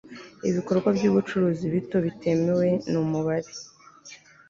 ibikorwa by ubucuruzi bito bitewe n umubare